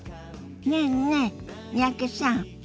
ねえねえ三宅さん。